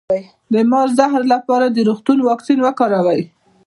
د مار د زهر لپاره د روغتون واکسین وکاروئ